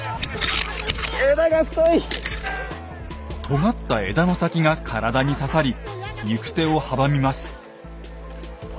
とがった枝の先が体に刺さり行く手を阻みます。